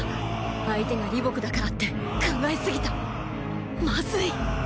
相手が李牧だからって考えすぎたまずい！！